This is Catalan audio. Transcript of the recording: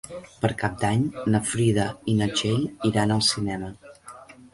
Per Cap d'Any na Frida i na Txell iran al cinema.